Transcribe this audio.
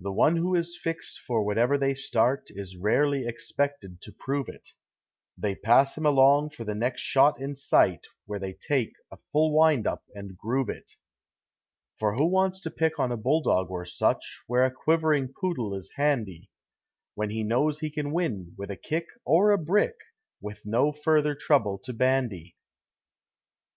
The one who is fixed for whatever they start Is rarely expected to prove it; They pass him along for the next shot in sight Where they take a full wind up and groove it; For who wants to pick on a bulldog or such Where a quivering poodle is handy, When he knows he can win with a kick or a brick With no further trouble to bandy?